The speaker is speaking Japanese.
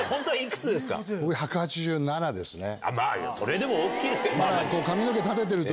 まぁそれでも大きいですけどね。